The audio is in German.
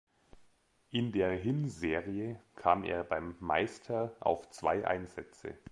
In der Hinserie kam er beim Meister auf zwei Einsätze.